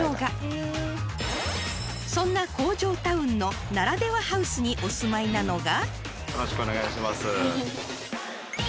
［そんな工場タウンの「ならではハウス」にお住まいなのが］